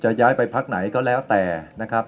ย้ายไปพักไหนก็แล้วแต่นะครับ